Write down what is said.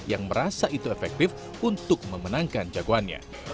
yang merasa itu efektif untuk memenangkan jagoannya